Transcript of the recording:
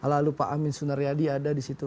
lalu pak amin sunaryadi ada disitu